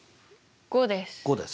５です。